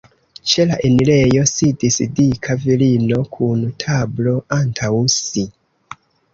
Ĉe la enirejo sidis dika virino kun tablo antaŭ si.